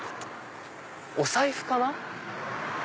お財布かな？